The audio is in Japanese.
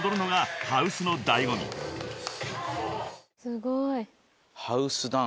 すごい。